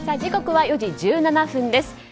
時刻は４時１７分です。